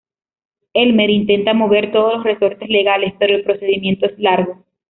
Elmer intenta mover todos los resortes legales, pero el procedimiento es largo.